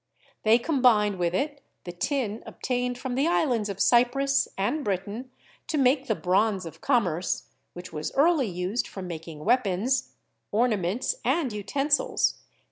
They com bined with it the tin obtained from the islands of Cyprus and Britain to make the bronze of commerce, which was early used for making weapons, ornaments and utensils ; and Fig.